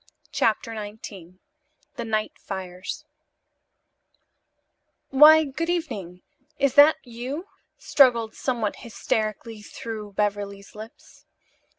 CHAPTER XIX THE NIGHT FIRES "Why, good evening. Is that you?" struggled somewhat hysterically through Beverly's lips.